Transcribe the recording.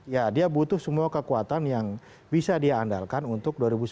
ya dia butuh semua kekuatan yang bisa dia andalkan untuk dua ribu sembilan belas